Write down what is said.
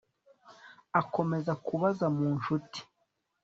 akomeza kubaza mu nshuti